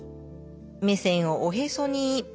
目線をおへそに。